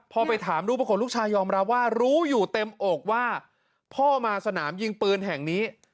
พอไปถามลูกปรากฏลูกชายยอมรับว่ารู้อยู่เต็มอกว่าพ่อมาสนามยิงปืนแห่งนี้